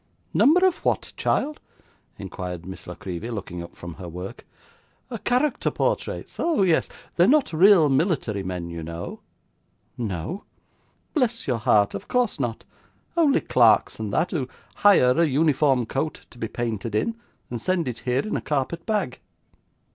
'Number of what, child?' inquired Miss La Creevy, looking up from her work. 'Character portraits, oh yes they're not real military men, you know.' 'No!' 'Bless your heart, of course not; only clerks and that, who hire a uniform coat to be painted in, and send it here in a carpet bag.